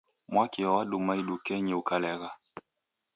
Mwakio wadumwa idukenyii ukalegha.